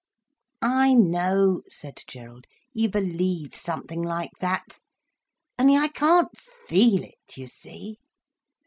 "I know," said Gerald, "you believe something like that. Only I can't feel it, you see."